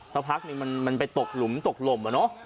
สักพักหนึ่งมันไปตกหลุมตกลมอะเนาะ